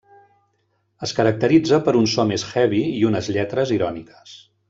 Es caracteritza per un so més heavy i unes lletres iròniques.